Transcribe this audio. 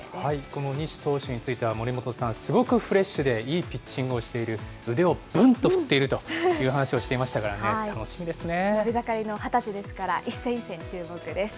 この西投手については、森本さん、すごくフレッシュでいいピッチングをしている、腕をぶんっと振っているという話をしていま伸び盛りの２０歳ですから、一戦一戦注目です。